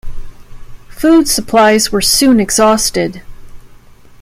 Food supplies were soon exhausted.